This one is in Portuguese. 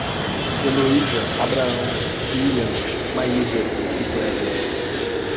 Eloiza, Abraão, Wílian, Maísa e Kléber